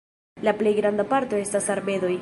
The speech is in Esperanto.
La plej granda parto estas arbedoj.